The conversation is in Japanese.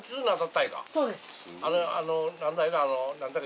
そうです。